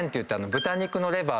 豚肉のレバー？